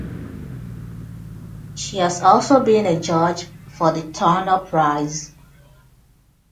She has also been a judge for the Turner Prize.